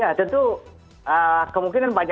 ya tentu kemungkinan banyak